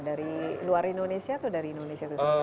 dari luar indonesia atau dari indonesia